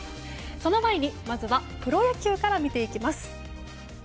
その前にまずはプロ野球から見ていきます。